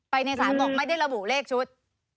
ในศาลบอกไม่ได้ระบุเลขชุด